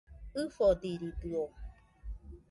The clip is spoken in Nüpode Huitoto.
ɨfodiridɨo